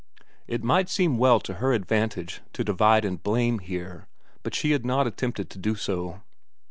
It might seem well to her advantage to divide the blame here, but she had not attempted to do so.